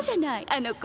あの子。